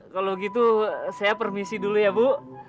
kalau gitu saya permisi dulu ya bu